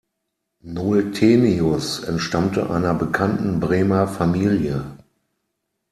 Noltenius entstammte einer bekannten Bremer Familie.